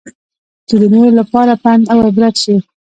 چې د نورو لپاره پند اوعبرت شي.